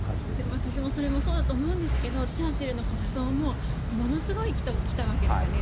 私もそれもそうだと思うんですがチャーチルの国葬もものすごい人が来たわけですよね。